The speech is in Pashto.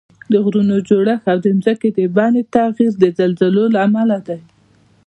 د غرونو جوړښت او د ځمکې د بڼې تغییر د زلزلو له امله دي